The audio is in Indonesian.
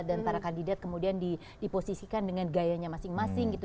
dan para kandidat kemudian diposisikan dengan gayanya masing masing gitu